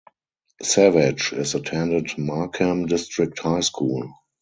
Savage is attended Markham District High School.